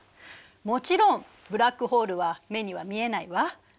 もちろんブラックホールは目には見えないわ。